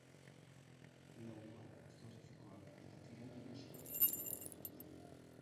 Laukoak, zortzikoak eta tiraldi mistoak irabazi zituzten.